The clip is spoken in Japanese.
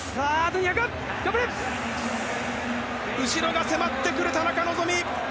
後ろが迫ってくる田中希実。